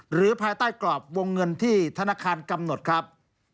ภายใต้กรอบวงเงินที่ธนาคารกำหนดครับ